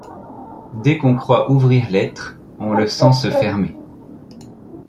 Dès qu’on croit ouvrir l’être, on le sent se fermer.